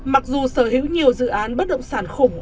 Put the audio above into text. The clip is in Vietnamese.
mặc dù sở hữu nhiều dự án bất động sản khủng